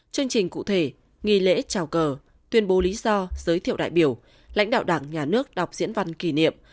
chương trình cụ thể nghi lễ trào cờ tuyên bố lý do giới thiệu đại biểu lãnh đạo đảng nhà nước đọc diễn văn kỷ niệm